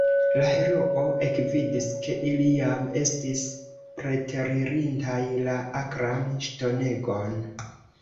La heroo ekvidis, ke ili jam estis preteririntaj la akran ŝtonegon.